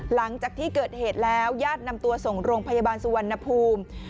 หลังจากที่เกิดเหตุแล้วญาตินำตัวส่งโรงพยาบาลสุวรรณภูมิ